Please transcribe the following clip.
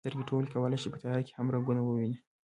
سترګې کولی شي په تیاره کې هم رنګونه وویني.